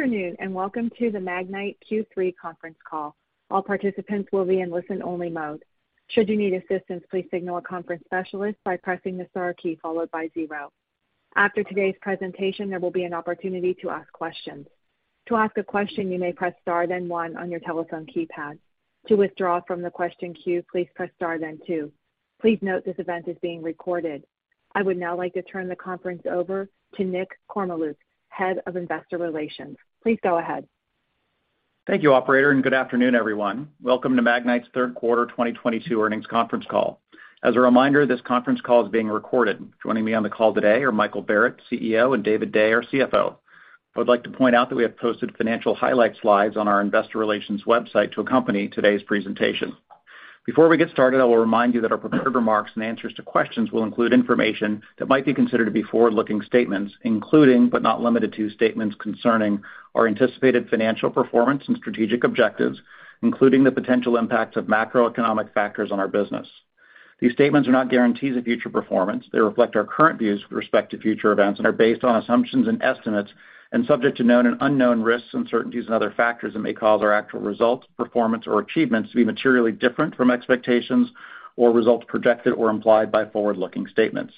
Good afternoon, and welcome to the Magnite Q3 conference call. All participants will be in listen-only mode. Should you need assistance, please signal a conference specialist by pressing the star key followed by zero. After today's presentation, there will be an opportunity to ask questions. To ask a question, you may press star then one on your telephone keypad. To withdraw from the question queue, please press star then two. Please note this event is being recorded. I would now like to turn the conference over to Nick Kormeluk, Head of Investor Relations. Please go ahead. Thank you, operator, and good afternoon, everyone. Welcome to Magnite's third quarter 2022 earnings conference call. As a reminder, this conference call is being recorded. Joining me on the call today are Michael Barrett, CEO, and David Day, our CFO. I would like to point out that we have posted financial highlight slides on our investor relations website to accompany today's presentation. Before we get started, I will remind you that our prepared remarks and answers to questions will include information that might be considered to be forward-looking statements, including but not limited to statements concerning our anticipated financial performance and strategic objectives, including the potential impacts of macroeconomic factors on our business. These statements are not guarantees of future performance. They reflect our current views with respect to future events and are based on assumptions and estimates, and subject to known and unknown risks, uncertainties and other factors that may cause our actual results, performance or achievements to be materially different from expectations or results projected or implied by forward-looking statements.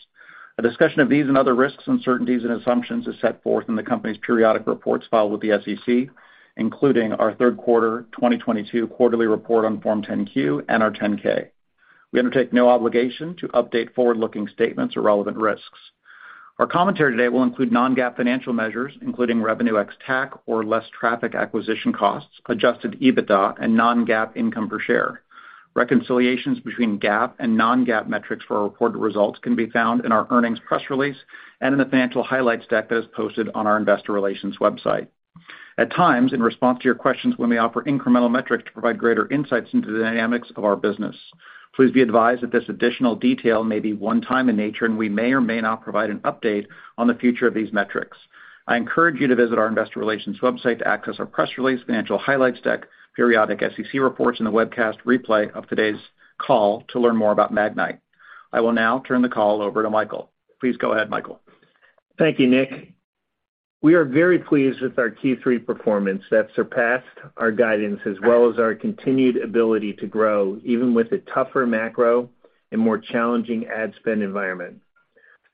A discussion of these and other risks, uncertainties and assumptions is set forth in the company's periodic reports filed with the SEC, including our third quarter 2022 quarterly report on Form 10-Q and our 10-K. We undertake no obligation to update forward-looking statements or relevant risks. Our commentary today will include non-GAAP financial measures, including revenue ex-TAC or less traffic acquisition costs, Adjusted EBITDA and non-GAAP income per share. Reconciliations between GAAP and non-GAAP metrics for our reported results can be found in our earnings press release and in the financial highlights deck that is posted on our investor relations website. At times, in response to your questions, when we offer incremental metrics to provide greater insights into the dynamics of our business, please be advised that this additional detail may be one-time in nature, and we may or may not provide an update on the future of these metrics. I encourage you to visit our investor relations website to access our press release, financial highlights deck, periodic SEC reports, and the webcast replay of today's call to learn more about Magnite. I will now turn the call over to Michael. Please go ahead, Michael. Thank you, Nick. We are very pleased with our Q3 performance that surpassed our guidance as well as our continued ability to grow even with a tougher macro and more challenging ad spend environment.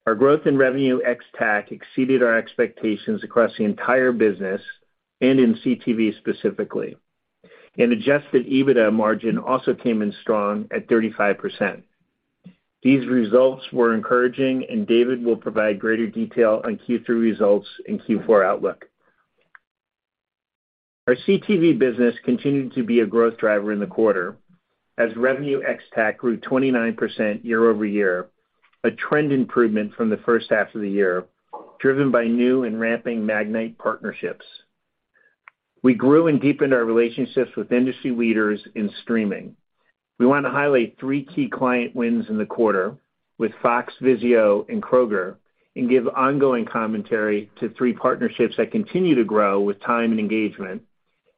Our growth in revenue ex-TAC exceeded our expectations across the entire business and in CTV specifically, and Adjusted EBITDA margin also came in strong at 35%. These results were encouraging and David will provide greater detail on Q3 results and Q4 outlook. Our CTV business continued to be a growth driver in the quarter as revenue ex-TAC grew 29% year-over-year, a trend improvement from the H1 of the year, driven by new and ramping Magnite partnerships. We grew and deepened our relationships with industry leaders in streaming. We want to highlight three key client wins in the quarter with Fox, Vizio and Kroger and give ongoing commentary to three partnerships that continue to grow with time and engagement,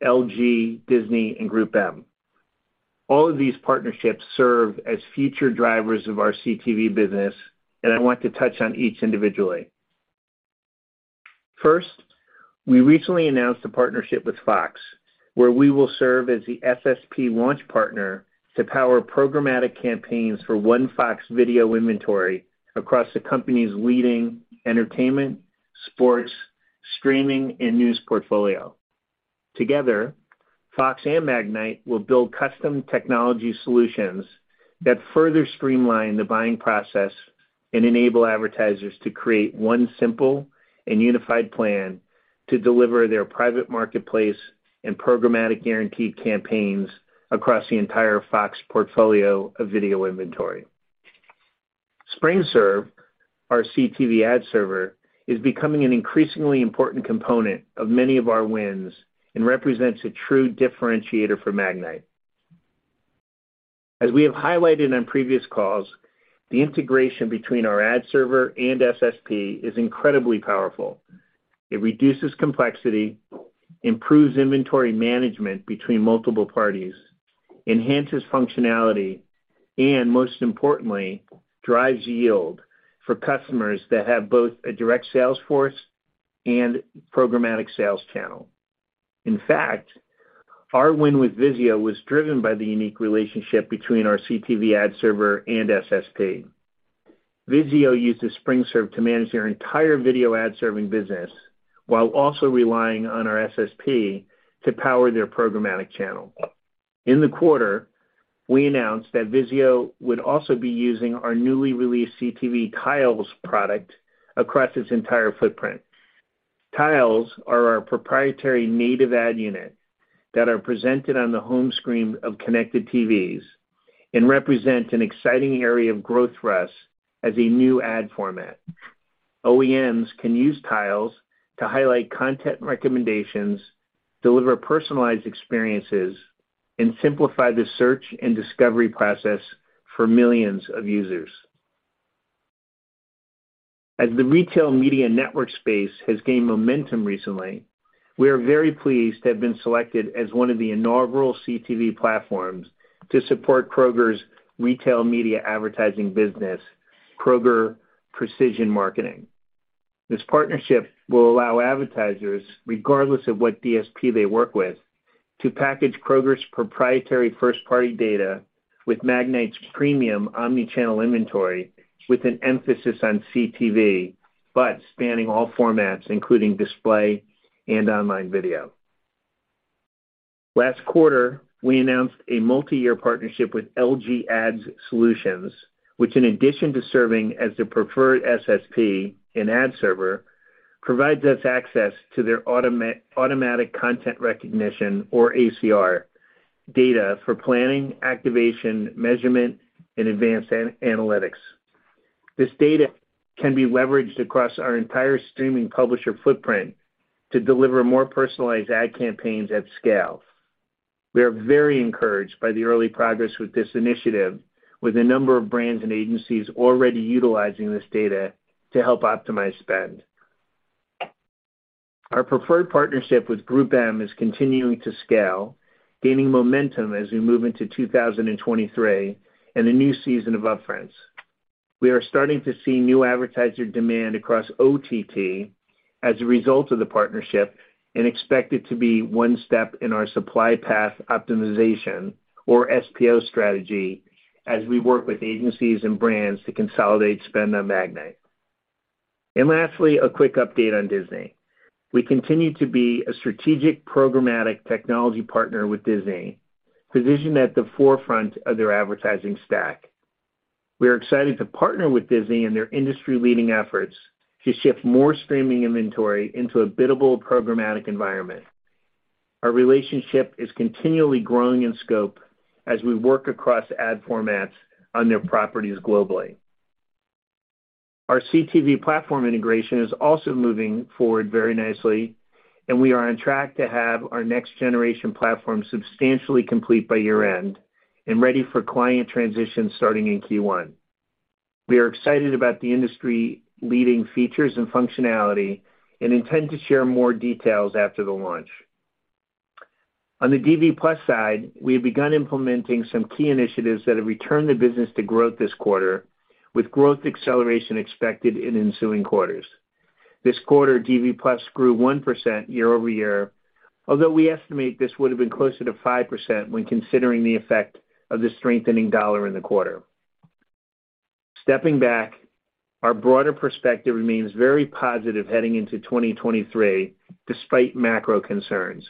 LG, Disney and GroupM. All of these partnerships serve as future drivers of our CTV business and I want to touch on each individually. First, we recently announced a partnership with Fox, where we will serve as the SSP launch partner to power programmatic campaigns for OneFOX video inventory across the company's leading entertainment, sports, streaming and news portfolio. Together, Fox and Magnite will build custom technology solutions that further streamline the buying process and enable advertisers to create one simple and unified plan to deliver their private marketplace and programmatic guaranteed campaigns across the entire Fox portfolio of video inventory. SpringServe, our CTV ad server, is becoming an increasingly important component of many of our wins and represents a true differentiator for Magnite. As we have highlighted on previous calls, the integration between our ad server and SSP is incredibly powerful. It reduces complexity, improves inventory management between multiple parties, enhances functionality, and most importantly, drives yield for customers that have both a direct sales force and programmatic sales channel. In fact, our win with Vizio was driven by the unique relationship between our CTV ad server and SSP. Vizio uses SpringServe to manage their entire video ad serving business while also relying on our SSP to power their programmatic channel. In the quarter, we announced that Vizio would also be using our newly released CTV Tiles product across its entire footprint. Tiles are our proprietary native ad unit that are presented on the home screen of connected TVs and represent an exciting area of growth for us as a new ad format. OEMs can use Tiles to highlight content recommendations, deliver personalized experiences, and simplify the search and discovery process for millions of users. As the retail media network space has gained momentum recently, we are very pleased to have been selected as one of the inaugural CTV platforms to support Kroger's retail media advertising business, Kroger Precision Marketing. This partnership will allow advertisers, regardless of what DSP they work with, to package Kroger's proprietary first-party data with Magnite's premium omni-channel inventory with an emphasis on CTV, but spanning all formats, including display and online video. Last quarter, we announced a multi-year partnership with LG Ad Solutions, which in addition to serving as the preferred SSP and ad server, provides us access to their automatic content recognition or ACR data for planning, activation, measurement, and advanced analytics. This data can be leveraged across our entire streaming publisher footprint to deliver more personalized ad campaigns at scale. We are very encouraged by the early progress with this initiative, with a number of brands and agencies already utilizing this data to help optimize spend. Our preferred partnership with GroupM is continuing to scale, gaining momentum as we move into 2023 and a new season of upfronts. We are starting to see new advertiser demand across OTT as a result of the partnership and expect it to be one step in our supply path optimization or SPO strategy as we work with agencies and brands to consolidate spend on Magnite. Lastly, a quick update on Disney. We continue to be a strategic programmatic technology partner with Disney, positioned at the forefront of their advertising stack. We are excited to partner with Disney in their industry-leading efforts to shift more streaming inventory into a biddable programmatic environment. Our relationship is continually growing in scope as we work across ad formats on their properties globally. Our CTV platform integration is also moving forward very nicely, and we are on track to have our next generation platform substantially complete by year-end and ready for client transition starting in Q1. We are excited about the industry-leading features and functionality and intend to share more details after the launch. On the DV+ side, we have begun implementing some key initiatives that have returned the business to growth this quarter, with growth acceleration expected in ensuing quarters. This quarter, DV+ grew 1% year-over-year, although we estimate this would have been closer to 5% when considering the effect of the strengthening dollar in the quarter. Stepping back, our broader perspective remains very positive heading into 2023 despite macro concerns.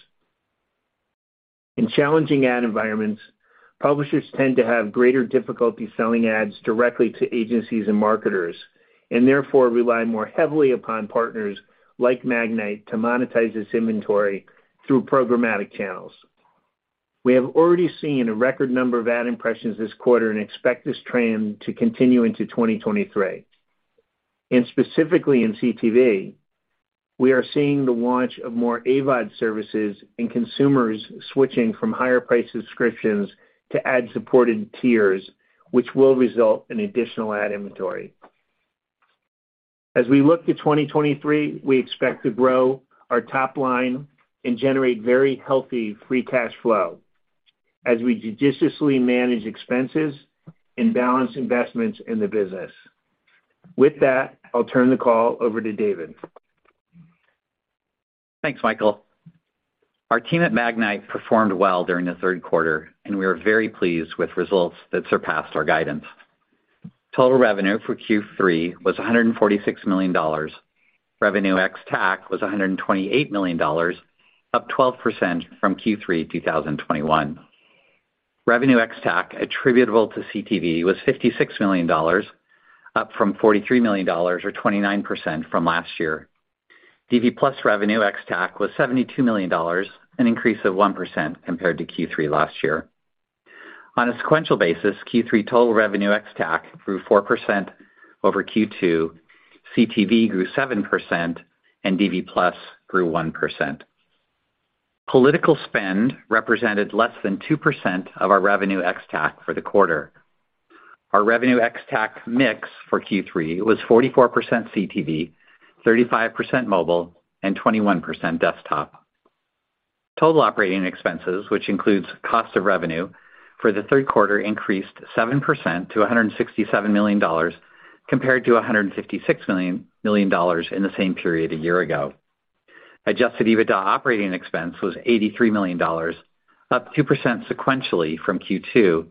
In challenging ad environments, publishers tend to have greater difficulty selling ads directly to agencies and marketers, and therefore rely more heavily upon partners like Magnite to monetize this inventory through programmatic channels. We have already seen a record number of ad impressions this quarter and expect this trend to continue into 2023. Specifically in CTV, we are seeing the launch of more AVOD services and consumers switching from higher price subscriptions to ad-supported tiers, which will result in additional ad inventory. As we look to 2023, we expect to grow our top line and generate very healthy free cash flow as we judiciously manage expenses and balance investments in the business. With that, I'll turn the call over to David. Thanks, Michael. Our team at Magnite performed well during the third quarter, and we are very pleased with results that surpassed our guidance. Total revenue for Q3 was $146 million. Revenue ex-TAC was $128 million, up 12% from Q3 2021. Revenue ex-TAC attributable to CTV was $56 million, up from $43 million or 29% from last year. DV+ revenue ex-TAC was $72 million, an increase of 1% compared to Q3 last year. On a sequential basis, Q3 total revenue ex-TAC grew 4% over Q2, CTV grew 7%, and DV+ grew 1%. Political spend represented less than 2% of our revenue ex-TAC for the quarter. Our revenue ex-TAC mix for Q3 was 44% CTV, 35% mobile, and 21% desktop. Total operating expenses, which includes cost of revenue, for the third quarter increased 7% to $167 million, compared to $156 million in the same period a year ago. Adjusted EBITDA operating expense was $83 million, up 2% sequentially from Q2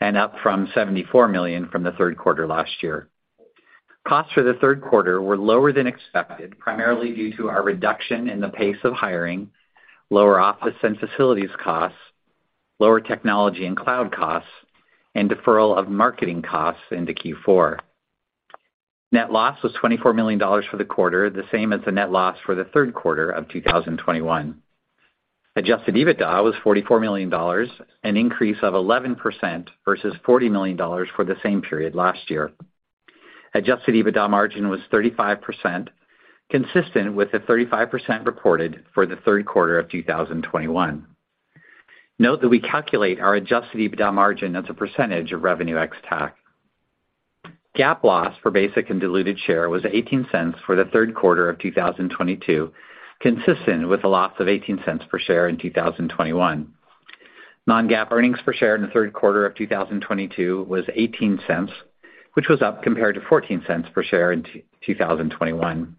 and up from $74 million from the third quarter last year. Costs for the third quarter were lower than expected, primarily due to our reduction in the pace of hiring, lower office and facilities costs, lower technology and cloud costs, and deferral of marketing costs into Q4. Net loss was $24 million for the quarter, the same as the net loss for the third quarter of 2021. Adjusted EBITDA was $44 million, an increase of 11% versus $40 million for the same period last year. Adjusted EBITDA margin was 35%, consistent with the 35% reported for the third quarter of 2021. Note that we calculate our Adjusted EBITDA margin as a percentage of revenue ex-TAC. GAAP loss per basic and diluted share was $0.18 for the third quarter of 2022, consistent with a loss of $0.18 per share in 2021. Non-GAAP earnings per share in the third quarter of 2022 was $0.18, which was up compared to $0.14 per share in 2021.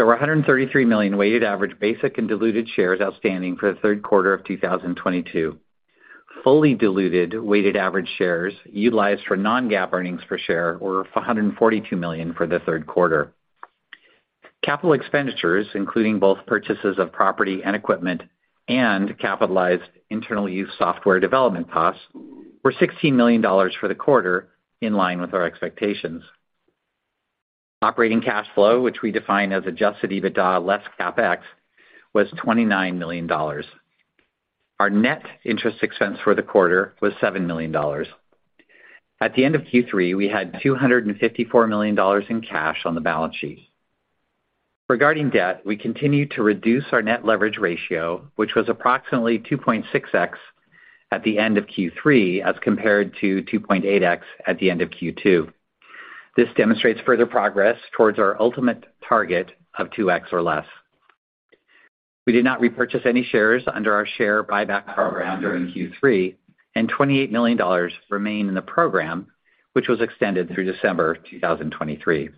There were 133 million weighted average basic and diluted shares outstanding for the third quarter of 2022. Fully diluted weighted average shares utilized for non-GAAP earnings per share were 142 million for the third quarter. Capital expenditures, including both purchases of property and equipment and capitalized internal use software development costs, were $16 million for the quarter in line with our expectations. Operating cash flow, which we define as Adjusted EBITDA less CapEx, was $29 million. Our net interest expense for the quarter was $7 million. At the end of Q3, we had $254 million in cash on the balance sheet. Regarding debt, we continue to reduce our net leverage ratio, which was approximately 2.6x at the end of Q3, as compared to 2.8x at the end of Q2. This demonstrates further progress towards our ultimate target of 2x or less. We did not repurchase any shares under our share buyback program during Q3, and $28 million remain in the program, which was extended through December 2023.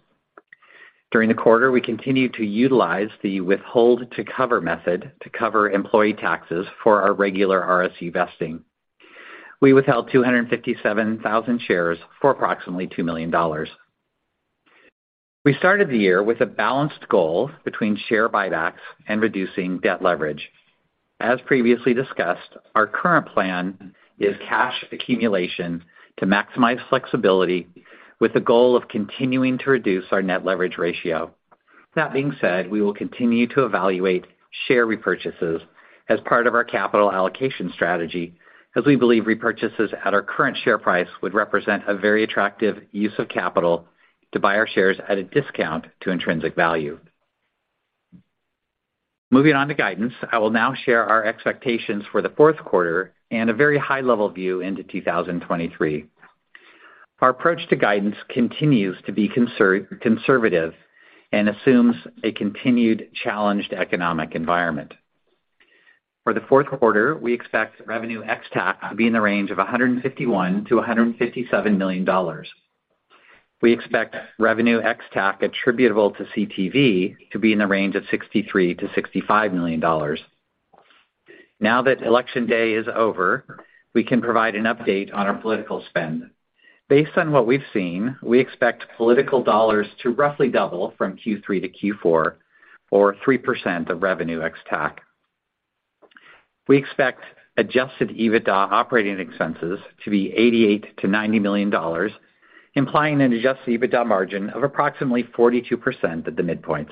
During the quarter, we continued to utilize the withhold-to-cover method to cover employee taxes for our regular RSU vesting. We withheld 257,000 shares for approximately $2 million. We started the year with a balanced goal between share buybacks and reducing debt leverage. As previously discussed, our current plan is cash accumulation to maximize flexibility with the goal of continuing to reduce our net leverage ratio. That being said, we will continue to evaluate share repurchases as part of our capital allocation strategy as we believe repurchases at our current share price would represent a very attractive use of capital to buy our shares at a discount to intrinsic value. Moving on to guidance, I will now share our expectations for the fourth quarter and a very high-level view into 2023. Our approach to guidance continues to be conservative and assumes a continued challenged economic environment. For the fourth quarter, we expect revenue ex-TAC to be in the range of $151 million-$157 million. We expect revenue ex-TAC attributable to CTV to be in the range of $63 million-$65 million. Now that election day is over, we can provide an update on our political spend. Based on what we've seen, we expect political dollars to roughly double from Q3 to Q4 or 3% of revenue ex-TAC. We expect adjusted EBITDA operating expenses to be $88 million-$90 million, implying an adjusted EBITDA margin of approximately 42% at the midpoints.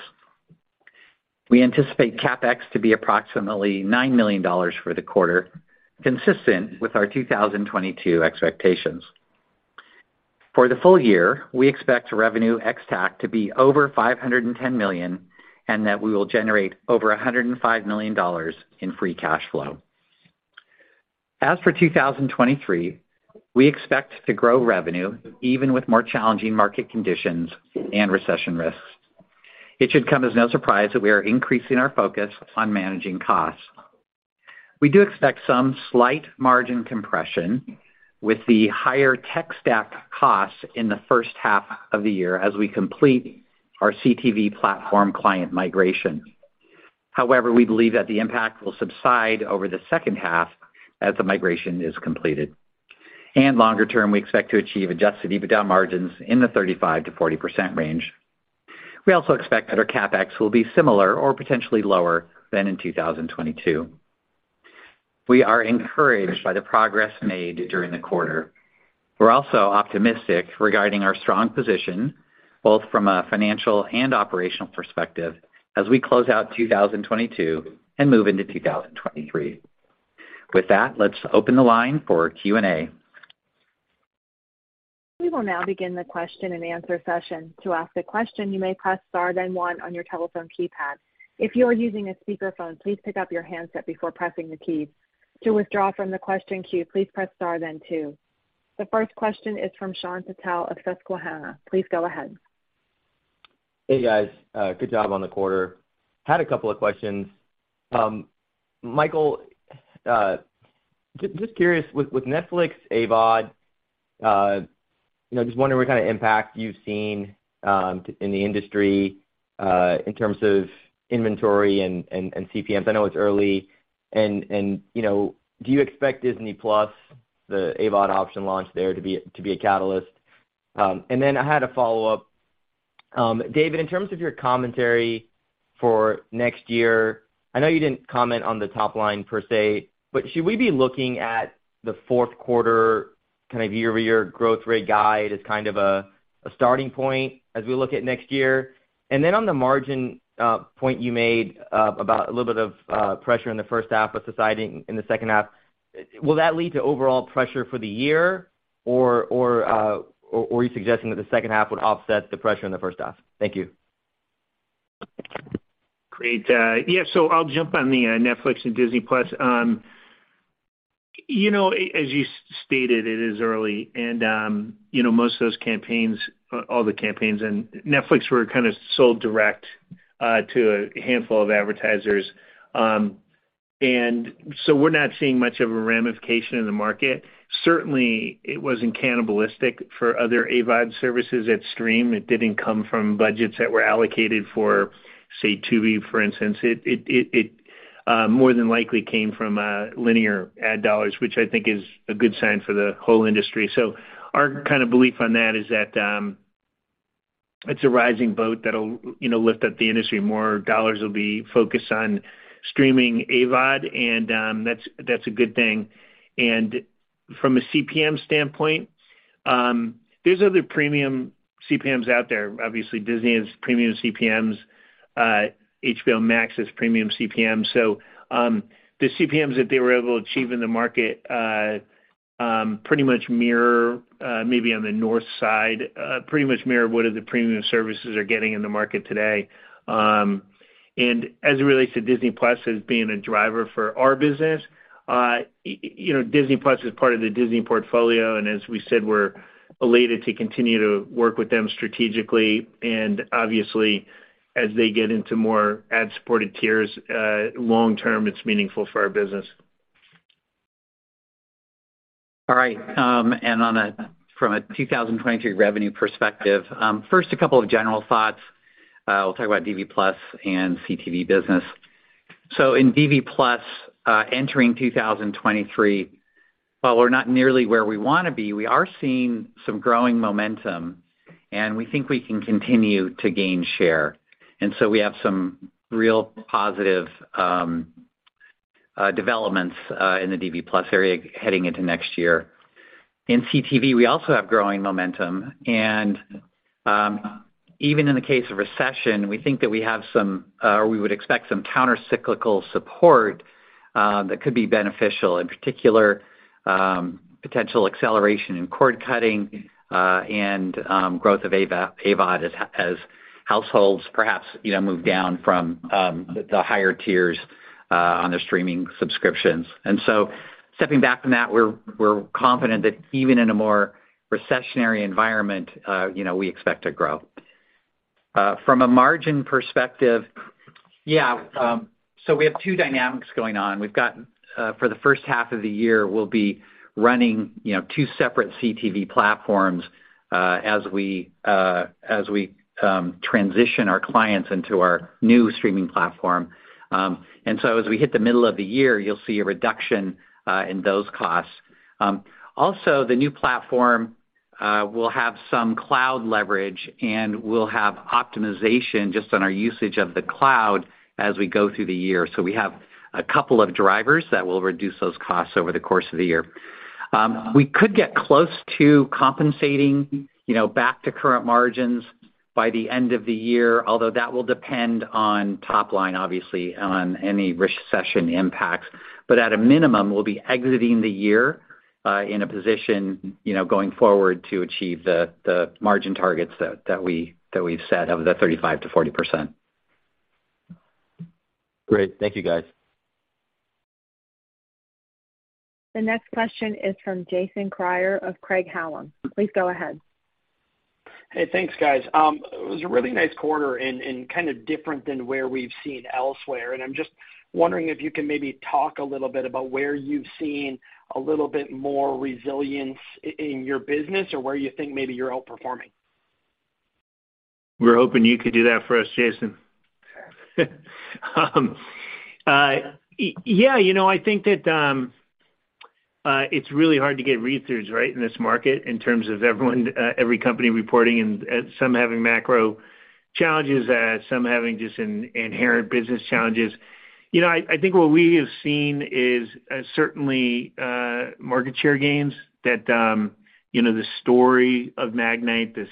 We anticipate CapEx to be approximately $9 million for the quarter, consistent with our 2022 expectations. For the full year, we expect revenue ex-TAC to be over $510 million, and that we will generate over $105 million in free cash flow. As for 2023, we expect to grow revenue even with more challenging market conditions and recession risks. It should come as no surprise that we are increasing our focus on managing costs. We do expect some slight margin compression with the higher tech stack costs in the H1 of the year as we complete our CTV platform client migration. However, we believe that the impact will subside over the H2 as the migration is completed. Longer term, we expect to achieve Adjusted EBITDA margins in the 35%-40% range. We also expect that our CapEx will be similar or potentially lower than in 2022. We are encouraged by the progress made during the quarter. We're also optimistic regarding our strong position, both from a financial and operational perspective, as we close out 2022 and move into 2023. With that, let's open the line for Q&A. We will now begin the question-and-answer session. To ask a question, you may press star then one on your telephone keypad. If you are using a speakerphone, please pick up your handset before pressing the key. To withdraw from the question queue, please press star then two. The first question is from Shyam Patil of Susquehanna. Please go ahead. Hey, guys. Good job on the quarter. Had a couple of questions. Michael, just curious, with Netflix AVOD, you know, just wondering what kind of impact you've seen in the industry in terms of inventory and CPMs. I know it's early and, you know, do you expect Disney Plus, the AVOD option launch there to be a catalyst? Then I had a follow-up. David, in terms of your commentary for next year, I know you didn't comment on the top line per se, but should we be looking at the fourth quarter kind of year-over-year growth rate guide as kind of a starting point as we look at next year? On the margin point you made about a little bit of pressure in the H1 but subsiding in the H2, will that lead to overall pressure for the year or are you suggesting that the H2 would offset the pressure in the H1? Thank you. Great. I'll jump on the Netflix and Disney+. As you stated, it is early and most of those campaigns, all the campaigns on Netflix were kind of sold direct. To a handful of advertisers. We're not seeing much of a ramification in the market. Certainly, it wasn't cannibalistic for other AVOD services in streaming. It didn't come from budgets that were allocated for, say, Tubi, for instance. It more than likely came from linear ad dollars, which I think is a good sign for the whole industry. Our kind of belief on that is that it's a rising boat that'll, you know, lift up the industry. More dollars will be focused on streaming AVOD, and that's a good thing. From a CPM standpoint, there's other premium CPMs out there. Obviously, Disney has premium CPMs. HBO Max has premium CPMs. The CPMs that they were able to achieve in the market pretty much mirror, maybe on the north side, what other premium services are getting in the market today. As it relates to Disney+ as being a driver for our business, you know, Disney+ is part of the Disney portfolio, and as we said, we're elated to continue to work with them strategically. Obviously, as they get into more ad-supported tiers, long term, it's meaningful for our business. All right, from a 2023 revenue perspective, first, a couple of general thoughts. We'll talk about DV+ and CTV business. In DV+, entering 2023, while we're not nearly where we wanna be, we are seeing some growing momentum, and we think we can continue to gain share. We have some real positive developments in the DV+ area heading into next year. In CTV, we also have growing momentum, and even in the case of recession, we think that we have some, or we would expect some countercyclical support that could be beneficial, in particular, potential acceleration in cord-cutting, and growth of AVOD as households perhaps, you know, move down from the higher tiers on their streaming subscriptions. Stepping back from that, we're confident that even in a more recessionary environment, you know, we expect to grow. From a margin perspective, we have two dynamics going on. We've got, for the H1 of the year, we'll be running, you know, two separate CTV platforms, as we transition our clients into our new streaming platform. As we hit the middle of the year, you'll see a reduction in those costs. Also, the new platform will have some cloud leverage, and we'll have optimization just on our usage of the cloud as we go through the year. We have a couple of drivers that will reduce those costs over the course of the year. We could get close to compensating, you know, back to current margins by the end of the year, although that will depend on top line, obviously, on any recession impacts. At a minimum, we'll be exiting the year in a position, you know, going forward to achieve the margin targets that we've set of 35%-40%. Great. Thank you, guys. The next question is from Jason Kreyer of Craig-Hallum. Please go ahead. Hey, thanks, guys. It was a really nice quarter and kind of different than where we've seen elsewhere. I'm just wondering if you can maybe talk a little bit about where you've seen a little bit more resilience in your business or where you think maybe you're outperforming. We're hoping you could do that for us, Jason. Yeah, you know, I think that it's really hard to get read-throughs, right, in this market in terms of everyone, every company reporting and some having macro challenges, some having just inherent business challenges. You know, I think what we have seen is certainly market share gains that, you know, the story of Magnite, this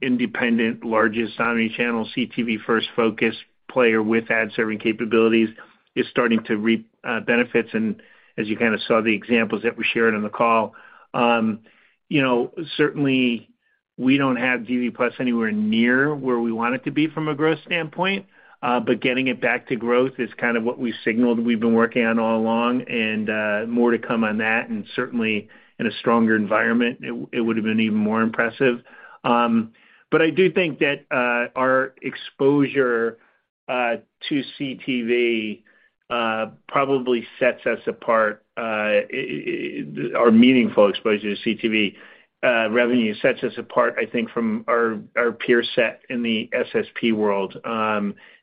independent, largest omni-channel, CTV first focus player with ad-serving capabilities, is starting to reap benefits. As you kind of saw the examples that were shared on the call, you know, certainly, we don't have DV+ anywhere near where we want it to be from a growth standpoint, but getting it back to growth is kind of what we signaled we've been working on all along, and more to come on that. Certainly, in a stronger environment, it would've been even more impressive. But I do think that our exposure to CTV probably sets us apart, our meaningful exposure to CTV revenue sets us apart, I think, from our peer set in the SSP world.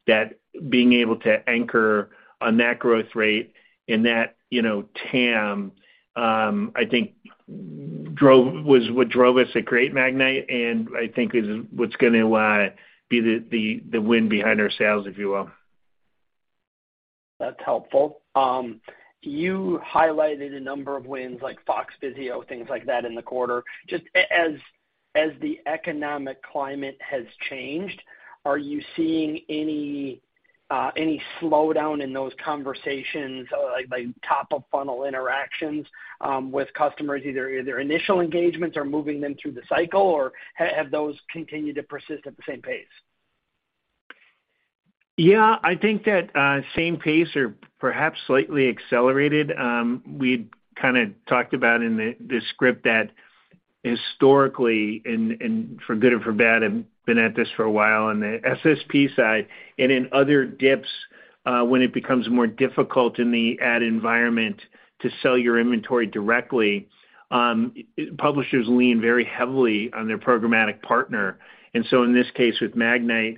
That being able to anchor on that growth rate and that, you know, TAM, I think was what drove us to create Magnite, and I think is what's gonna be the wind behind our sails, if you will. That's helpful. You highlighted a number of wins like Fox, Vizio, things like that in the quarter. Just as the economic climate has changed, are you seeing any slowdown in those conversations, like top-of-funnel interactions with customers, either initial engagements or moving them through the cycle, or have those continued to persist at the same pace? Yeah. I think that same pace or perhaps slightly accelerated. We'd kinda talked about in the script that. Historically, for good or for bad, I've been at this for a while on the SSP side and in other dips, when it becomes more difficult in the ad environment to sell your inventory directly, publishers lean very heavily on their programmatic partner. In this case, with Magnite,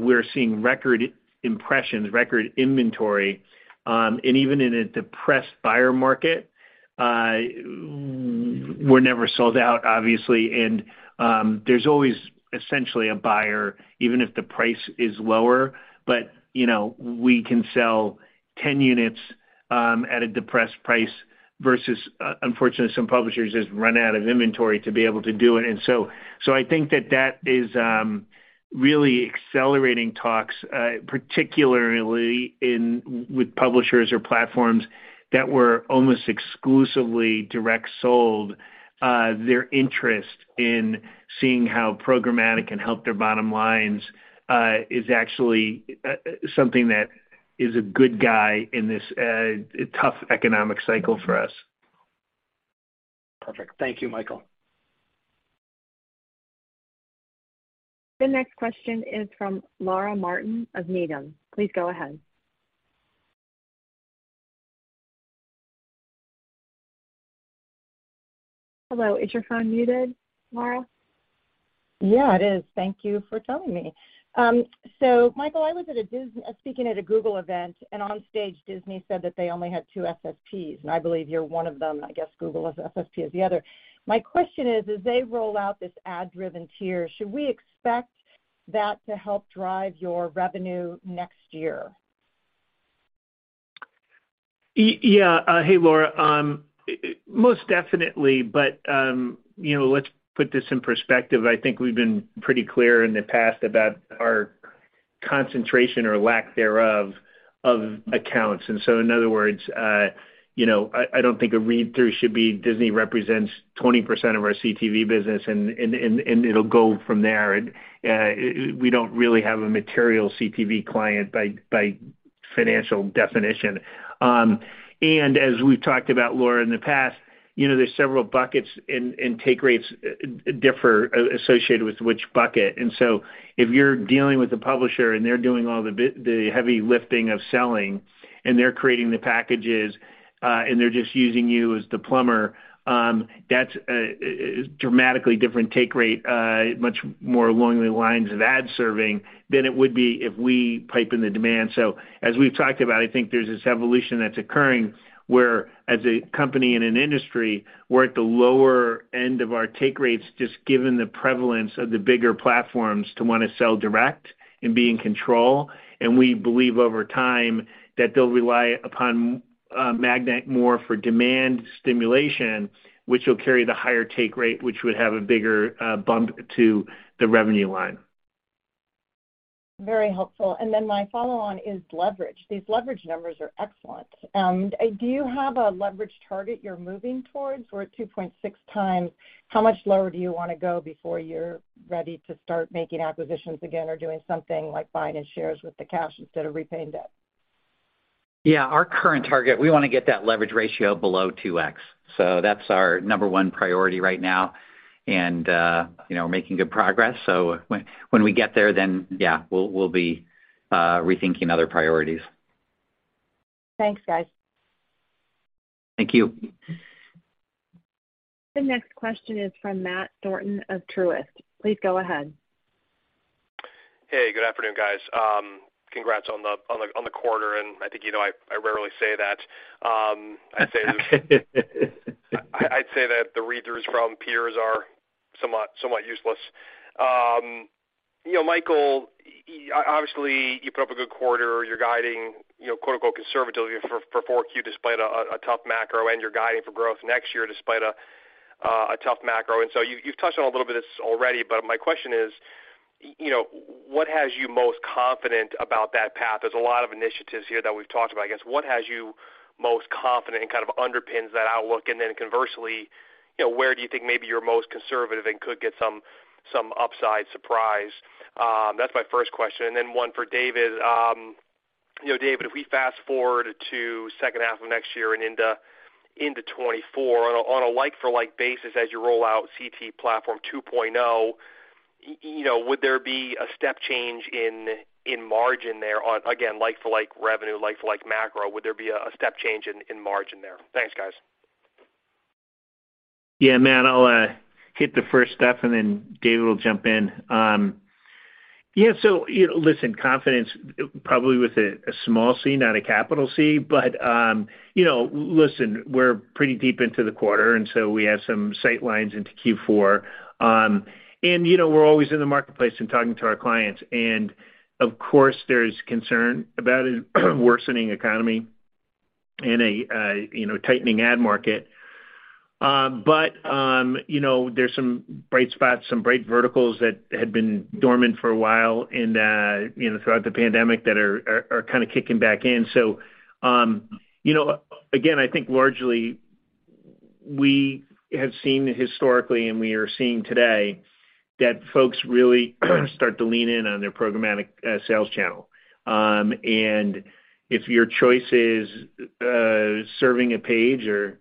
we're seeing record impressions, record inventory, and even in a depressed buyer market, we're never sold out, obviously. There's always essentially a buyer, even if the price is lower, but, you know, we can sell 10 units at a depressed price versus, unfortunately, some publishers just run out of inventory to be able to do it. I think that is really accelerating talks, particularly with publishers or platforms that were almost exclusively direct sold. Their interest in seeing how programmatic can help their bottom lines is actually something that is a good sign in this tough economic cycle for us. Perfect. Thank you, Michael. The next question is from Laura Martin of Needham. Please go ahead. Hello. Is your phone muted, Laura? Yeah, it is. Thank you for telling me. So Michael, I was speaking at a Google event, and on stage Disney said that they only had two SSPs, and I believe you're one of them. I guess Google's SSP is the other. My question is, as they roll out this ad-driven tier, should we expect that to help drive your revenue next year? Yeah. Hey, Laura. Most definitely, but you know, let's put this in perspective. I think we've been pretty clear in the past about our concentration or lack thereof of accounts. In other words, I don't think a read-through should be Disney represents 20% of our CTV business and it'll go from there. We don't really have a material CTV client by financial definition. As we've talked about, Laura, in the past, you know, there's several buckets and take rates differ associated with which bucket. If you're dealing with a publisher and they're doing all the heavy lifting of selling, and they're creating the packages, and they're just using you as the plumber, that's a dramatically different take rate, much more along the lines of ad serving than it would be if we pipe in the demand. As we've talked about, I think there's this evolution that's occurring, where as a company in an industry, we're at the lower end of our take rates, just given the prevalence of the bigger platforms to wanna sell direct and be in control. We believe over time that they'll rely upon Magnite more for demand stimulation, which will carry the higher take rate, which would have a bigger bump to the revenue line. Very helpful. My follow-on is leverage. These leverage numbers are excellent. Do you have a leverage target you're moving towards? We're at 2.6x. How much lower do you wanna go before you're ready to start making acquisitions again or doing something like buying in shares with the cash instead of repaying debt? Yeah. Our current target, we wanna get that leverage ratio below 2x. That's our number one priority right now. You know, we're making good progress. When we get there, then, yeah, we'll be rethinking other priorities. Thanks, guys. Thank you. The next question is from Matthew Thornton of Truist. Please go ahead. Hey, good afternoon, guys. Congrats on the quarter, and I think you know I rarely say that. I'd say that the read-throughs from peers are somewhat useless. You know, Michael, obviously you put up a good quarter. You're guiding, you know, quote, unquote, conservatively for 4Q despite a tough macro, and you're guiding for growth next year despite a tough macro. You've touched on a little bit of this already, but my question is, you know, what has you most confident about that path? There's a lot of initiatives here that we've talked about. I guess, what has you most confident and kind of underpins that outlook? Conversely, you know, where do you think maybe you're most conservative and could get some upside surprise? That's my first question. One for David. You know, David, if we fast-forward to H2 of next year and into 2024 on a like for like basis as you roll out CTV platform 2.0, you know, would there be a step change in margin there on, again, like for like revenue, like for like macro? Would there be a step change in margin there? Thanks, guys. Yeah, Matt, I'll hit the first stuff, and then David will jump in. Listen, confidence probably with a small C, not a capital C. We're pretty deep into the quarter, and so we have some sight lines into Q4. We're always in the marketplace and talking to our clients. Of course, there's concern about a worsening economy and a tightening ad market. There's some bright spots, some bright verticals that had been dormant for a while and throughout the pandemic that are kinda kicking back in. Again, I think largely we have seen historically and we are seeing today that folks really start to lean in on their programmatic sales channel. If your choice is serving a page or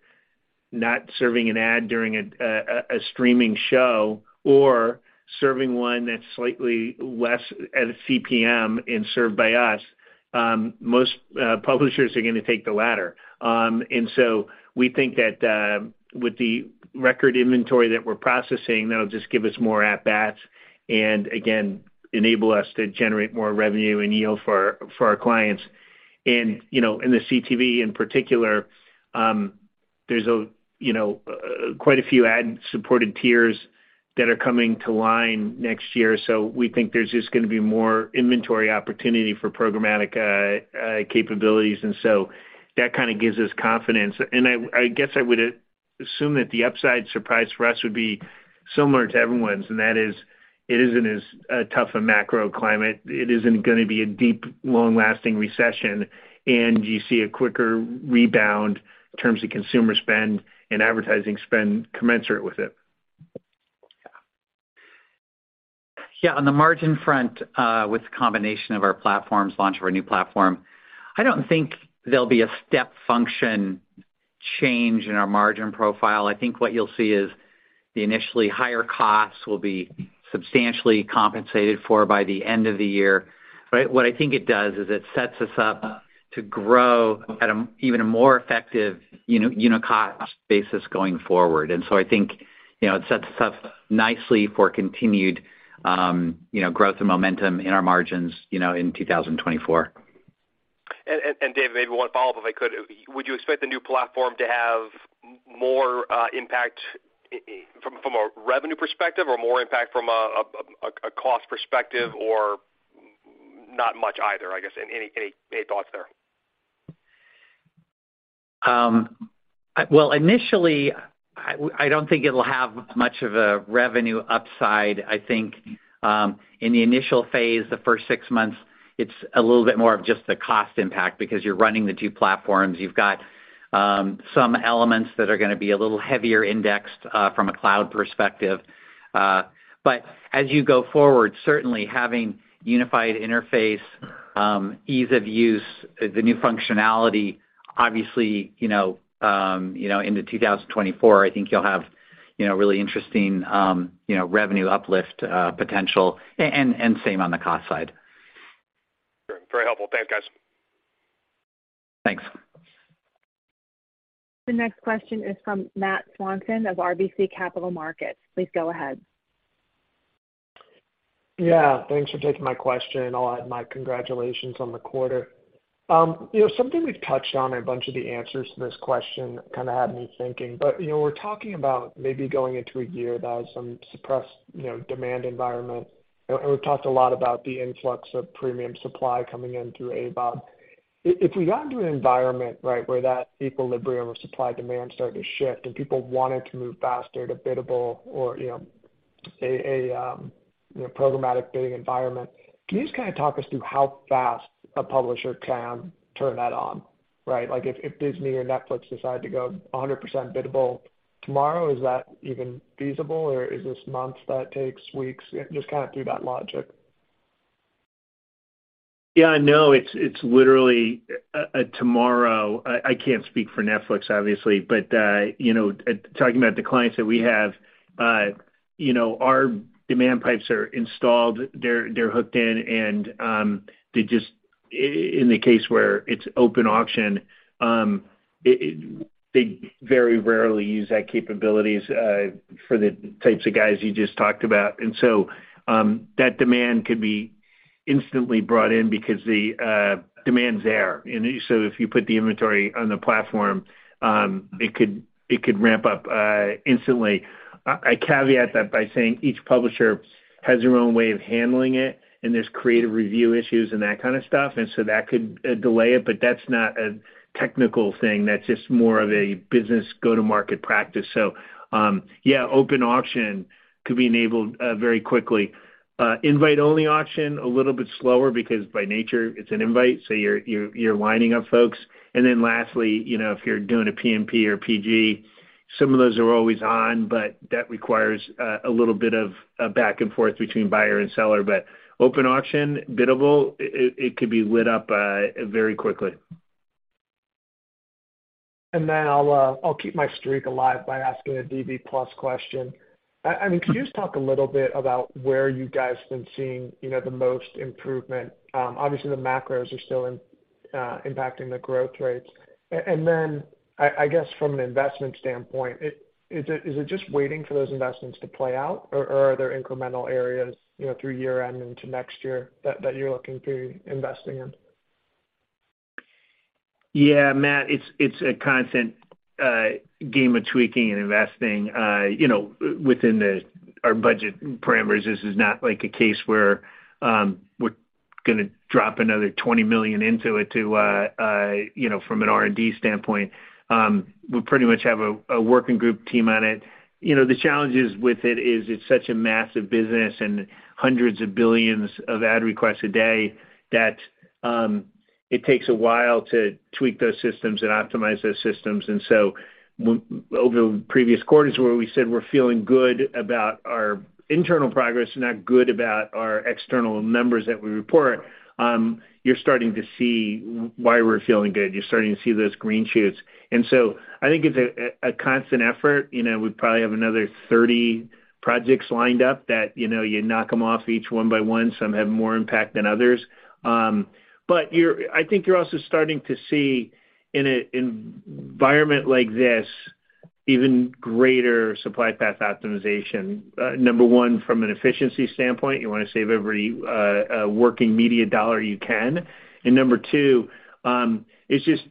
not serving an ad during a streaming show or serving one that's slightly less at a CPM and served by us, most publishers are gonna take the latter. We think that with the record inventory that we're processing, that'll just give us more at bats and again enable us to generate more revenue and yield for our clients. You know, in the CTV in particular, you know, quite a few ad-supported tiers that are coming online next year. We think there's just gonna be more inventory opportunity for programmatic capabilities, and so that kind of gives us confidence. I guess I would assume that the upside surprise for us would be similar to everyone's, and that is it isn't as tough a macro climate. It isn't gonna be a deep, long-lasting recession, and you see a quicker rebound in terms of consumer spend and advertising spend commensurate with it. Yeah. On the margin front, with the combination of our platforms, launch of our new platform, I don't think there'll be a step function change in our margin profile. I think what you'll see is the initially higher costs will be substantially compensated for by the end of the year. Right? What I think it does is it sets us up to grow at an even more effective unit-cost basis going forward. I think, you know, it sets us up nicely for continued, you know, growth and momentum in our margins, you know, in 2024. David, maybe one follow-up, if I could. Would you expect the new platform to have more impact from a revenue perspective or more impact from a cost perspective or not much either, I guess? Any thoughts there? Well, initially I don't think it'll have much of a revenue upside. I think in the initial phase, the first six months, it's a little bit more of just the cost impact because you're running the two platforms. You've got some elements that are gonna be a little heavier indexed from a cloud perspective. As you go forward, certainly having unified interface, ease of use, the new functionality, obviously, you know, into 2024, I think you'll have, you know, really interesting, you know, revenue uplift potential and same on the cost side. Very helpful. Thanks, guys. Thanks. The next question is from Matthew Swanson of RBC Capital Markets. Please go ahead. Yeah. Thanks for taking my question. I'll add my congratulations on the quarter. You know, something we've touched on, a bunch of the answers to this question kind of had me thinking, but you know, we're talking about maybe going into a year that has some suppressed, you know, demand environment. We've talked a lot about the influx of premium supply coming in through AVOD. If we got into an environment, right, where that equilibrium of supply demand started to shift and people wanted to move faster to biddable or, you know, programmatic bidding environment, can you just kind of talk us through how fast a publisher can turn that on, right? Like, if Disney or Netflix decide to go 100% biddable tomorrow, is that even feasible, or is this months that takes, weeks? Just kind of through that logic. Yeah. No, it's literally tomorrow. I can't speak for Netflix obviously, but you know, talking about the clients that we have, you know, our demand pipes are installed, they're hooked in, and they just in the case where it's open auction, they very rarely use that capabilities for the types of guys you just talked about. That demand could be instantly brought in because the demands there. If you put the inventory on the platform, it could ramp up instantly. I caveat that by saying each publisher has their own way of handling it, and there's creative review issues and that kind of stuff. That could delay it, but that's not a technical thing. That's just more of a business go-to-market practice. Open auction could be enabled very quickly. Invite-only auction, a little bit slower because by nature it's an invite, so you're lining up folks. Lastly, you know, if you're doing a PMP or PG, some of those are always on, but that requires a little bit of a back and forth between buyer and seller. Open auction, biddable, it could be lit up very quickly. I'll keep my streak alive by asking a DV+ question. I mean, can you just talk a little bit about where you guys have been seeing, you know, the most improvement? Obviously the macros are still impacting the growth rates. And then I guess from an investment standpoint, is it just waiting for those investments to play out, or are there incremental areas, you know, through year-end into next year that you're looking to investing in? Yeah, Matt, it's a constant game of tweaking and investing, you know, within our budget parameters. This is not like a case where we're gonna drop another $20 million into it to, you know, from an R&D standpoint. We pretty much have a working group team on it. You know, the challenges with it is it's such a massive business and hundreds of billions of ad requests a day that it takes a while to tweak those systems and optimize those systems. Over the previous quarters where we said we're feeling good about our internal progress, not good about our external metrics that we report, you're starting to see why we're feeling good. You're starting to see those green shoots. I think it's a constant effort. You know, we probably have another 30 projects lined up that, you know, you knock them off each one by one. Some have more impact than others. I think you're also starting to see in an environment like this, even greater supply path optimization. Number one, from an efficiency standpoint, you wanna save every working media dollar you can. Number two, it's just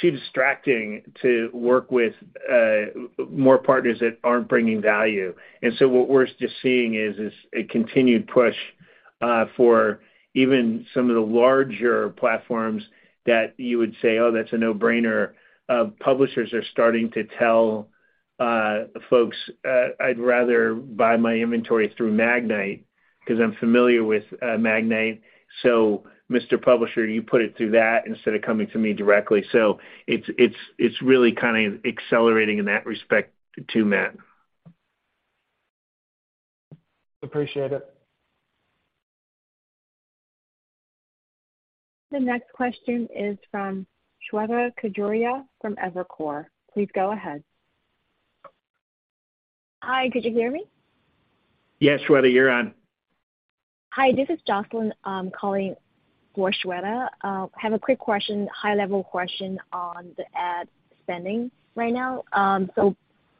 too distracting to work with more partners that aren't bringing value. What we're just seeing is a continued push for even some of the larger platforms that you would say, "Oh, that's a no-brainer." Publishers are starting to tell folks, I'd rather buy my inventory through Magnite 'cause I'm familiar with Magnite. So Mr. Publisher, you put it through that instead of coming to me directly. It's really kind of accelerating in that respect too, Matt. Appreciate it. The next question is from Shweta Khajuria from Evercore. Please go ahead. Hi, could you hear me? Yes, Shweta, you're on. Hi, this is Jocelyn. I'm calling for Shweta. Have a quick question, high-level question on the ad spending right now.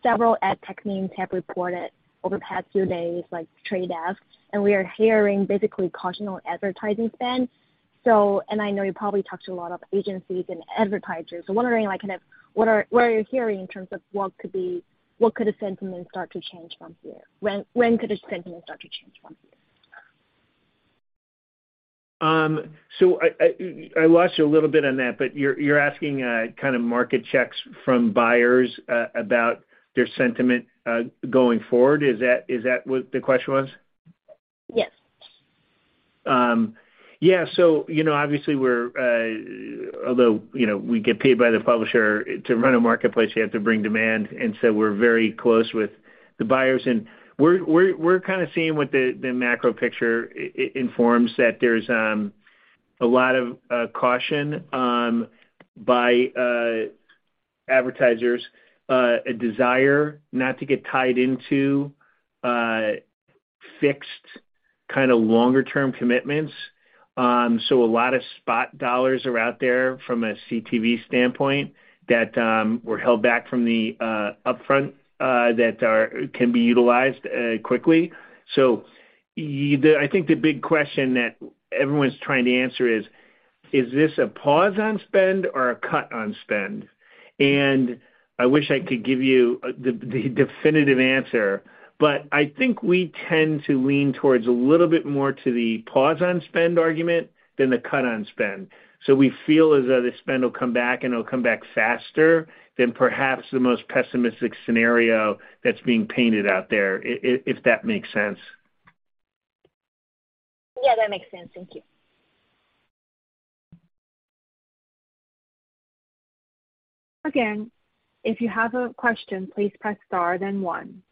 Several ad tech names have reported over the past few days, like Trade Desk, and we are hearing basically caution on advertising spend. I know you probably talked to a lot of agencies and advertisers. Wondering like kind of what are you hearing in terms of what could the sentiment start to change from here? When could the sentiment start to change from here? I lost you a little bit on that, but you're asking kind of market checks from buyers about their sentiment going forward. Is that what the question was? Yes. Yeah. You know, obviously we're although, you know, we get paid by the publisher to run a marketplace, you have to bring demand, and we're very close with the buyers and we're kinda seeing what the macro picture informs that there's a lot of caution by advertisers, a desire not to get tied into fixed kinda longer term commitments. A lot of spot dollars are out there from a CTV standpoint that were held back from the upfront that can be utilized quickly. I think the big question that everyone's trying to answer is this a pause on spend or a cut on spend? I wish I could give you the definitive answer, but I think we tend to lean towards a little bit more to the pause on spend argument than the cut on spend. We feel as though the spend will come back and it'll come back faster than perhaps the most pessimistic scenario that's being painted out there, if that makes sense. Yeah, that makes sense. Thank you. Again, if you have a question, please press star then one.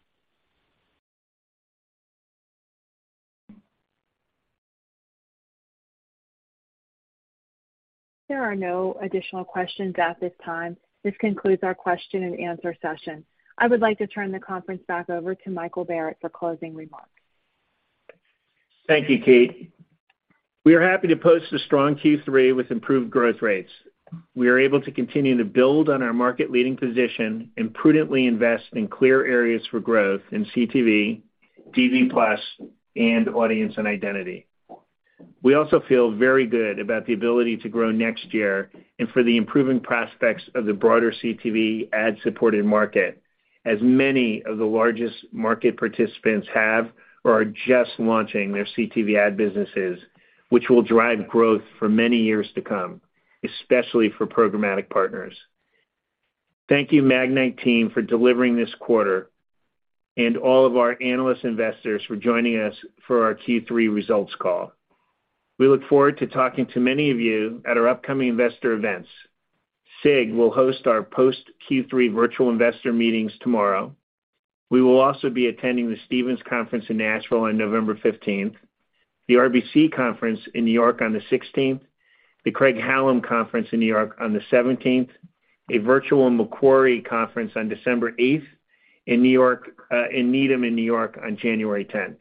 There are no additional questions at this time. This concludes our question and answer session. I would like to turn the conference back over to Michael Barrett for closing remarks. Thank you, Kate. We are happy to post a strong Q3 with improved growth rates. We are able to continue to build on our market leading position and prudently invest in clear areas for growth in CTV, DV+, and audience and identity. We also feel very good about the ability to grow next year and for the improving prospects of the broader CTV ad-supported market, as many of the largest market participants have or are just launching their CTV ad businesses, which will drive growth for many years to come, especially for programmatic partners. Thank you, Magnite team, for delivering this quarter and all of our analyst investors for joining us for our Q3 results call. We look forward to talking to many of you at our upcoming investor events. SIG will host our post Q3 virtual investor meetings tomorrow. We will also be attending the Stephens Conference in Nashville on November 15, the RBC Conference in New York on the 16, the Craig-Hallum Conference in New York on the 17, a virtual Macquarie Conference on December 8, in New York, in Needham in New York on January 10.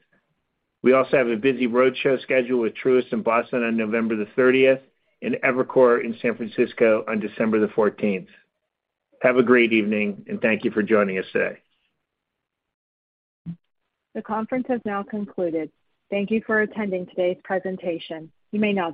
We also have a busy roadshow schedule with Truist in Boston on November 30 and Evercore in San Francisco on December 14. Have a great evening, and thank you for joining us today. The conference has now concluded. Thank you for attending today's presentation. You may now disconnect.